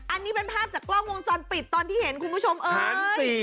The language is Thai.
อันนี้เป็นภาพจากกล้องวงจรปิดตอนที่เห็นคุณผู้ชมเอ้ย